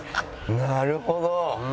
なるほど！